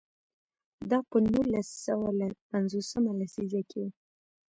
دا په نولس سوه پنځوس مه لسیزه کې و.